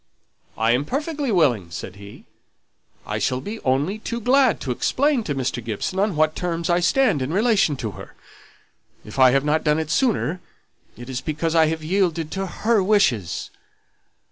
"I am perfectly willing," said he; "I shall only be too glad to explain to Mr. Gibson on what terms I stand in relation to her. If I have not done it sooner, it is because I have yielded to her wishes."